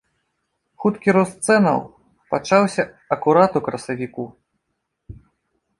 Хуткі рост цэнаў пачаўся акурат у красавіку.